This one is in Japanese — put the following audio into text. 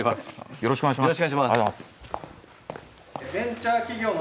よろしくお願いします。